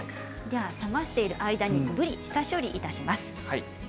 冷ましている間にぶりの下処理をいたします。